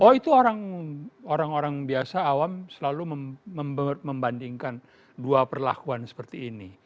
oh itu orang orang biasa awam selalu membandingkan dua perlakuan seperti ini